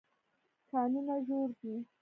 کانونه ژور دي.